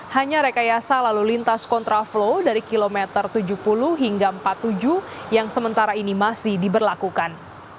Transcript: hanya rekayasa lalu lintas kontraflow dari kilometer tujuh puluh hingga empat puluh tujuh yang sementara ini masih diberlakukan